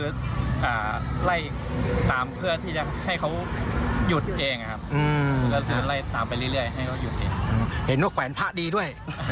เชื่อว่าอย่างนั้นครับ